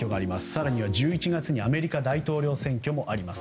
更には１１月にはアメリカ大統領選挙があります。